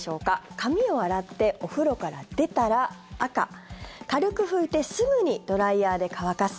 髪を洗ってお風呂から出たら赤、軽く拭いてすぐにドライヤーで乾かす。